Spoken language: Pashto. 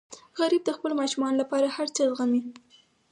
غریب د خپلو ماشومانو لپاره هر څه زغمي